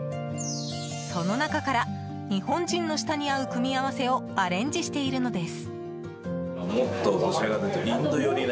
その中から日本人の舌に合う組み合わせをアレンジしているのです。